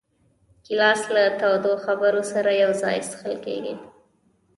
ګیلاس له تودو خبرو سره یو ځای څښل کېږي.